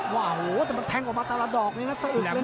โอ้โหแต่มันแทงออกมาแต่ละดอกนี้นะสะอึกเลย